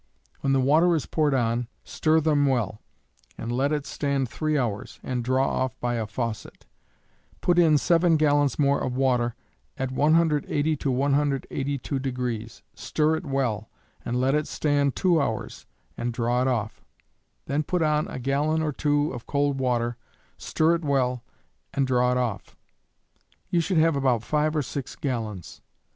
When the water is poured on, stir them well, and let it stand 3 hours, and draw off by a faucet; put in 7 gallons more of water at 180 to 182°; stir it well, and let it stand 2 hours, and draw it off. Then put on a gallon or two of cold water, stir it well, and draw it off; you should have about 5 or 6 gallons.